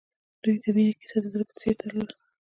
د دوی د مینې کیسه د زړه په څېر تلله.